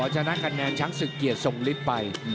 ชนะกันแนนชั้นศึกเกียรติส่งฤทธิ์ไป